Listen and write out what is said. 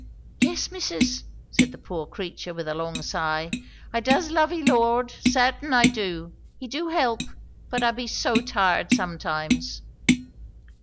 "Yes, missus," said the poor creature with a long sigh; "I does love de Lord; sartain, I do. He do help. But I be so tired some times!"